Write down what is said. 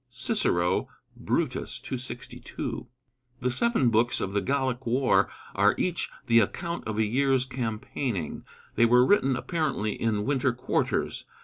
(Cicero, Brutus, 262.) The seven books of the Gallic War are each the account of a year's campaigning. They were written apparently in winter quarters.